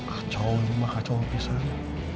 kacauin mah kacauin pisangnya